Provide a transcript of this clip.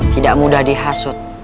tidak mudah dihasut